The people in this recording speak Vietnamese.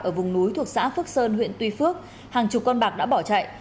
ở vùng núi thuộc xã phước sơn huyện tuy phước hàng chục con bạc đã bỏ chạy